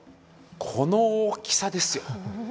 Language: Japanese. この大きさですよ。